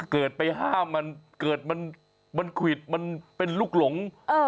เกิดไปห้ามมันเกิดมันควิดมันเป็นลูกหลง